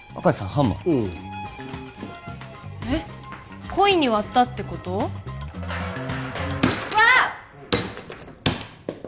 ハンマーおおえッ故意に割ったってこと？わあッ！